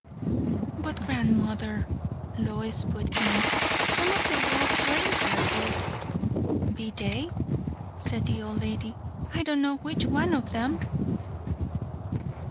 "But, grandmother," Lois put in, "some of the world's ways are good." "Be they?" said the old lady. "I don' know which of 'em."